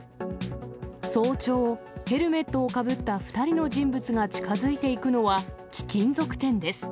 早朝、ヘルメットをかぶった２人の人物が近づいていくのは、貴金属店です。